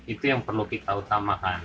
itu yang perlu kita utamakan